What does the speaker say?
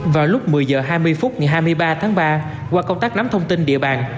vào lúc một mươi h hai mươi phút ngày hai mươi ba tháng ba qua công tác nắm thông tin địa bàn